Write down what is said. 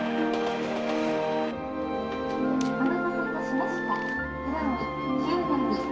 お待たせ致しました。